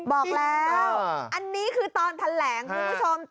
บอกแล้วอันนี้คือตอนแถลงคุณผู้ชม